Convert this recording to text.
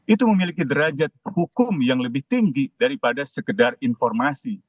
itu memiliki derajat hukum yang lebih tinggi daripada sekedar informasi